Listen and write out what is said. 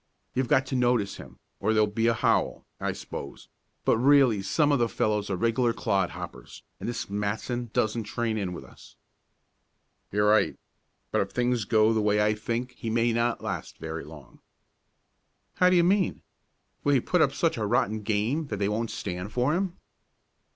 You've got to notice him, or there'd be a howl, I s'pose; but really some of the fellows are regular clod hoppers, and this Matson doesn't train in with us." "You're right. But if things go the way I think he may not last very long." "How do you mean? Will he put up such a rotten game that they won't stand for him?"